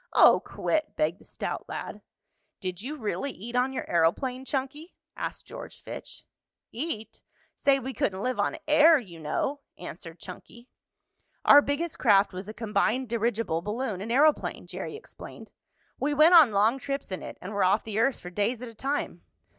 "Oh, quit!" begged the stout lad. "Did you really eat on your aeroplane, Chunky?" asked George Fitch. "Eat? Say, we couldn't live on air you know," answered Chunky. "Our biggest craft was a combined dirigible balloon and aeroplane," Jerry explained. "We went on long trips in it, and were off the earth for days at a time."